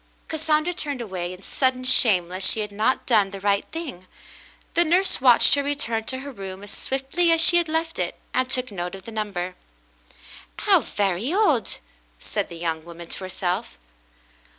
Cassandra turned away in sudden shame lest she had not done the right thing. The nurse watched her return to her room as swiftly as she had left it, and took note of the number. "How very odd !" said the young woman to herself.